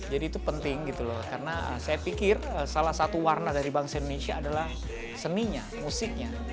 jadi itu penting gitu loh karena saya pikir salah satu warna dari bangsa indonesia adalah seninya musiknya